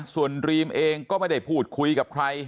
ส่วนดรีมเองก็ไม่ได้พูดคุยกับใคร